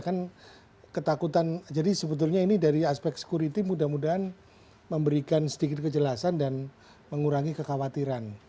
kan ketakutan jadi sebetulnya ini dari aspek security mudah mudahan memberikan sedikit kejelasan dan mengurangi kekhawatiran